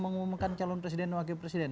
mengumumkan calon presiden dan wakil presiden